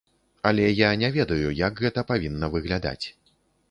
Але я не ведаю, як гэта павінна выглядаць.